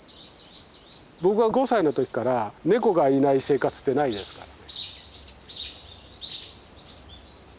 僕が５歳の時から猫がいない生活ってないですから。